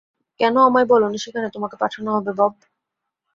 কেন আমায় বলোনি সেখানে তোমাকে পাঠানো হবে, বব?